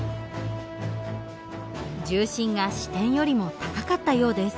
重心が支点よりも高かったようです。